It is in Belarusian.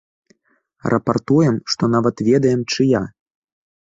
Рапартуем, што нават ведаем, чыя.